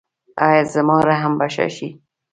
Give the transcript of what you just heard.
ایا زما رحم به ښه شي؟